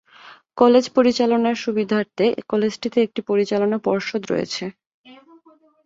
College পরিচালনার সুবিধার্থে কলেজটিতে একটি পরিচালনা পর্ষদ রয়েছে।